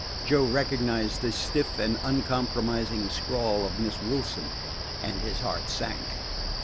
Joe recognized the stiff and uncompromising scrawl of Miss Wilson, and his heart sank.